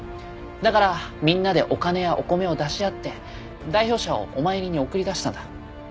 だからみんなでお金やお米を出し合って代表者をお参りに送り出したんだ。